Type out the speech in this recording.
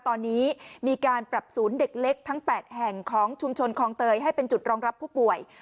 ตอนนี้มีการปรับศูนย์เด็กเล็กทั้ง๘แห่งของชุมชนคลองเตยให้เป็นจุดรองรับผู้ป่วย